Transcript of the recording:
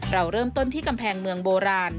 เราเริ่มต้นที่กำแพงเมืองโบราณ